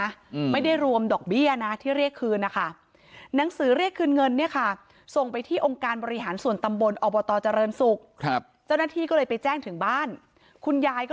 อืมไม่ได้รวมดอกเบี้ยนะที่เรียกคืนนะคะ